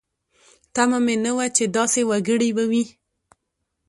تمه مې نه وه چې داسې وګړي به وي.